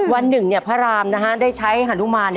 วันหนึ่งพระรามได้ใช้ฮานุมาน